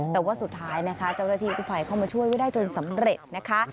แต่ว่าสุดท้ายนะคะเจ้าหน้าที่กู้ภัยเข้ามาช่วยไว้ได้จนสำเร็จนะคะ